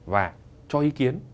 và cho ý kiến